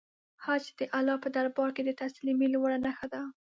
حج د الله په دربار کې د تسلیمۍ لوړه نښه ده.